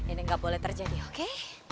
ini nggak boleh terjadi oke